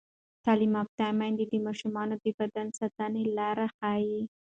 تعلیم یافته میندې د ماشومانو د بدن ساتنې لارې ښيي.